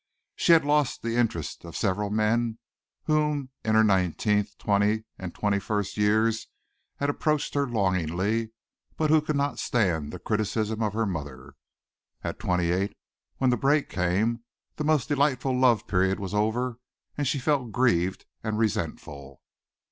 She had lost the interest of several men who in her nineteenth, twentieth and twenty first years had approached her longingly, but who could not stand the criticism of her mother. At twenty eight when the break came the most delightful love period was over and she felt grieved and resentful.